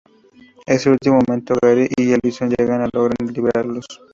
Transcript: En el último momento Gary y Allison llegan y logran liberarlos.